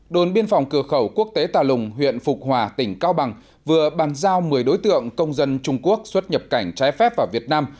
đồn biên phòng cửa khẩu quốc tế tà lùng huyện phục hòa tỉnh cao bằng vừa bàn giao một mươi đối tượng công dân trung quốc xuất nhập cảnh trái phép vào việt nam